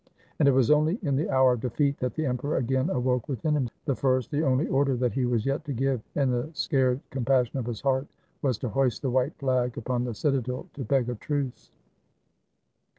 And it was only in the hour of defeat that the emperor again awoke within him; the first, the only order that he was yet to give, in the scared compassion of his heart, was to hoist the white flag upon the citadel to beg a truce.